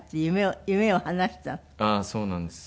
ああそうなんです。